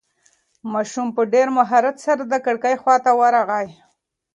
ماشوم په ډېر مهارت سره د کړکۍ خواته ورغی.